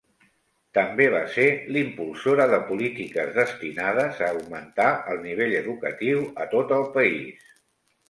També va se l'impulsora de polítiques destinades a augmentar el nivell educatiu a tot el país.